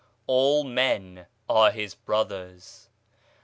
All men are his brothers.